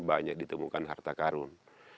banyak ditemukan harta karun